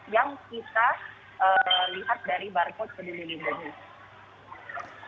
yang kita lihat dari barcode peduli lindungi